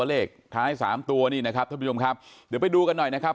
เลขท้ายสามตัวนี่นะครับท่านผู้ชมครับเดี๋ยวไปดูกันหน่อยนะครับ